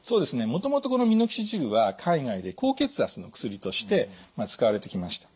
もともとこのミノキシジルは海外で高血圧の薬として使われてきました。